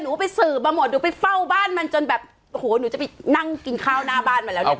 ไปสืบมาหมดหนูไปเฝ้าบ้านมันจนแบบโอ้โหหนูจะไปนั่งกินข้าวหน้าบ้านมาแล้วเนี่ย